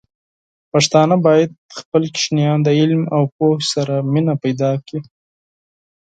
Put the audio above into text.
پښتانه بايد خپل ماشومان د علم او پوهې سره مینه پيدا کړي.